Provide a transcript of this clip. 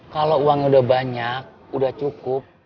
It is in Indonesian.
kalau uangnya udah banyak udah cukup